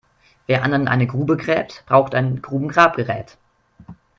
Wer anderen eine Grube gräbt, braucht ein Grubengrabgerät.